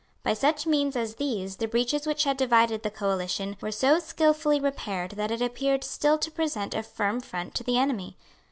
By such means as these the breaches which had divided the coalition were so skilfully repaired that it appeared still to present a firm front to the enemy.